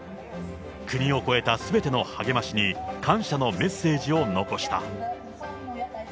国を超えたすべての励ましに感謝のメッセージを残した。